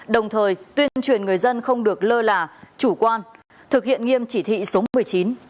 đồng thời tuyên truyền người dân không được lơ là chủ quan thực hiện nghiêm chỉ thị số một mươi chín